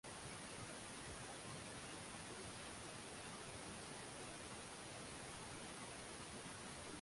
Jacob Matata alipomuona mtaalamu wa ufundi alitabasamu maana kuonekana kwa mze huyo ni nadra